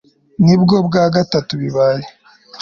Nibwo bwa gatatu bibaye